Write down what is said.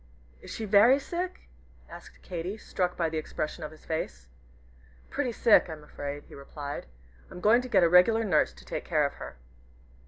"Is she very sick?" asked Katy, struck by the expression of his face. "Pretty sick, I'm afraid," he replied. "I'm going to get a regular nurse to take care of her."